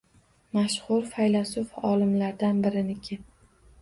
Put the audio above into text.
Mashhur faylasuf-olimlardan biriniki.